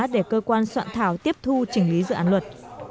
để cơ quan soạn thảo tiếp thu chỉnh lý dự án luật